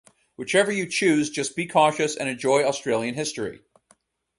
Whichever you choose just be cautious and enjoy Australian history!!